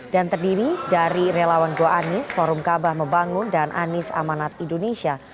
dan terdiri dari relawan go anis forum kabah membangun dan anis amanat indonesia